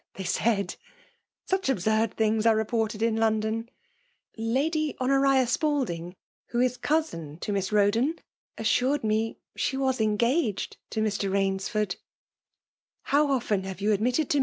/< niey Mid I — Such absurd things ate re ported im London ! ^'Lady Honeria Spalding, who is cousin to Miss Boden, assured me afae was engaged to Mr. Bainsfosdr " How often have yon admitted to.